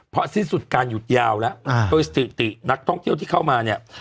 เพราะสิ้นสุดการหยุดยาวแล้วโดยสถิตินักท่องเที่ยวที่เข้ามาเนี่ย